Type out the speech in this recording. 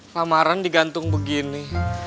lamaran digantung begini